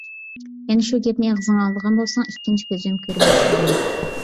يەنە شۇ گەپنى ئېغىزىڭغا ئالىدىغان بولساڭ، ئىككىنچى كۆزۈمگە كۆرۈنگۈچى بولما!